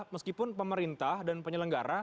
meskipun pemerintah dan penyelenggara